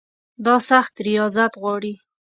دا سخت ریاضت غواړي.